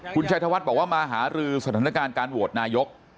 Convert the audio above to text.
คุณชัยธวัฒน์บอกว่ามาหารือสถานการณ์การโหวตนายก